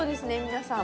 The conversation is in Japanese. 皆さん。